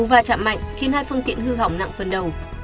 và chạm mạnh khiến hai phương tiện hư hỏng nặng phần đầu